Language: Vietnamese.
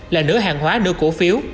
là nửa hàng hóa nửa cổ phiếu